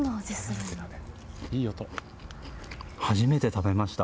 初めて食べました。